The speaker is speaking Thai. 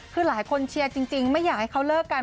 คือหลายคนเชียร์จริงไม่อยากให้เขาเลิกกัน